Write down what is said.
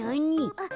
あっ。